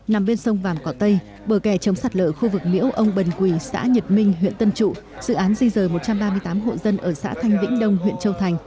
nằm bên sông vàm cỏ tây bờ kè chống sạt lở khu vực miễu ông bần quỳ xã nhật minh huyện tân trụ dự án di rời một trăm ba mươi tám hộ dân ở xã thanh vĩnh đông huyện châu thành